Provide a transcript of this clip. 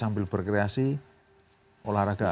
sambil berkreasi olahraga